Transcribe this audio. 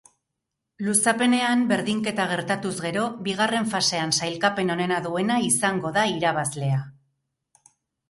Luzapenean berdinketa gertatuz gero, bigarren fasean sailkapen onena duena izango da irabazlea.